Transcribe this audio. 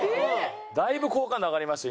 だいぶ好感度上がりました